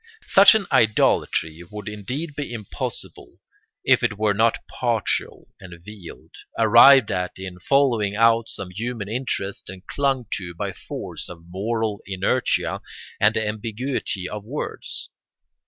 Such an idolatry would indeed be impossible if it were not partial and veiled, arrived at in following out some human interest and clung to by force of moral inertia and the ambiguity of words.